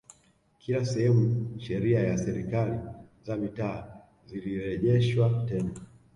Kila sehemu sheria ya serikali za Mitaa zilirejeshwa tena